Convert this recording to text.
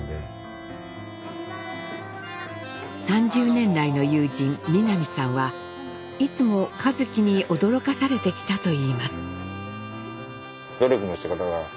３０年来の友人南さんはいつも一輝に驚かされてきたといいます。